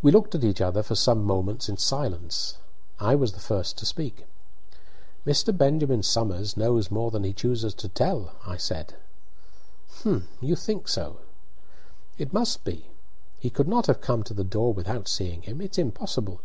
We looked at each other for some moments in silence. I was the first to speak. "Mr. Benjamin Somers knows more than he chooses to tell," I said. "Humph! do you think so?" "It must be. He could not have come to the door without seeing him; it's impossible."